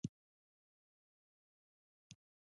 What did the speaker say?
که سیال به پنځه سوه کسان مېلمانه کړل.